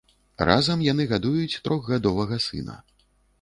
Разам яны гадуюць трохгадовага сына.